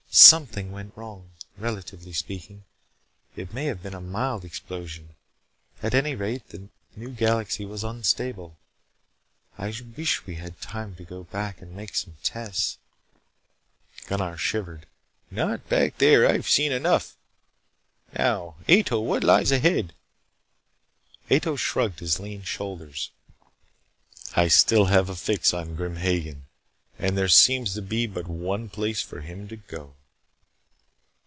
Something went wrong. Relatively speaking, it may have been a mild explosion. At any rate, that new galaxy was unstable. I wish we had time to go back and make some tests " Gunnar shivered. "Not back there. I have seen enough. Now, Ato, what lies ahead?" Ato shrugged his lean shoulders. "I still have a fix on Grim Hagen. And there seems to be but one place for him to go."